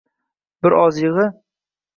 - Bir oz yig'.